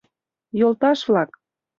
«Йолташ-влак!